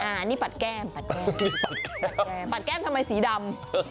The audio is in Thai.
อันนี้ปัดแก้มปัดแก้มทำไมสีดำ